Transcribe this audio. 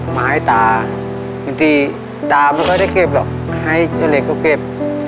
ไม่เอาเก็บหรอกให้เจ้าเล็กเขาเก็บ